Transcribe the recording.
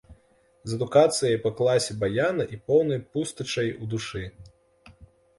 З адукацыяй па класе баяна і поўнай пустэчай ў душы.